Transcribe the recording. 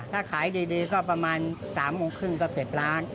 ถ้าขายดีก็ประมาณ๓โมงครึ่งก็๗ล้าน